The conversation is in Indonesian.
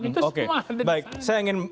itu semua saya ingin